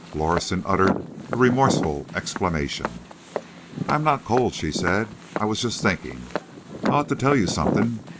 Lorison uttered a remorseful exclamation. "I'm not cold," she said. "I was just thinking. I ought to tell you something.